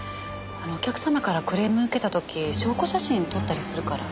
お客様からクレームを受けた時証拠写真撮ったりするから。